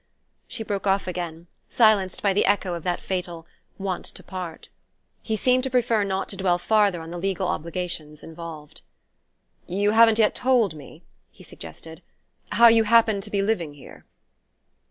She broke off again, silenced by the echo of that fatal "want to part."... He seemed to prefer not to dwell farther on the legal obligations involved. "You haven't yet told me," he suggested, "how you happen to be living here."